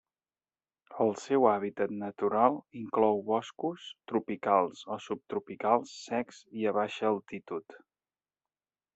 El seu hàbitat natural inclou boscos tropicals o subtropicals secs i a baixa altitud.